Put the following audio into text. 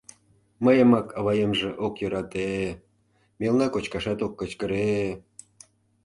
— Мыйымак аваемже ок йӧрате-е, мелна кочкашат ок кычкыре-е!..